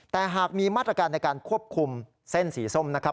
แต่หากมีมาตรการในการควบคุมเส้นสีส้มนะครับ